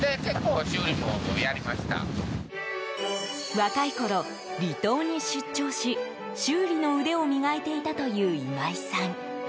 若いころ、離島に出張し修理の腕を磨いていたという今井さん。